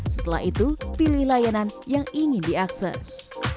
setelah itu pilih layanan yang ingin diakses